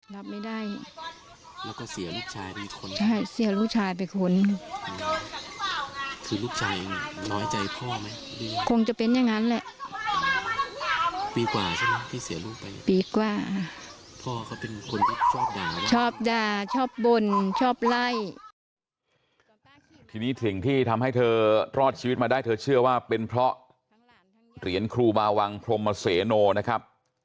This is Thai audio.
ทีนี้สิ่งที่ทำให้เธอรอดชีวิตมาได้เธอเชื่อว่าเป็นเพราะเหรียญครูบาวังพรมเสโนนะครับ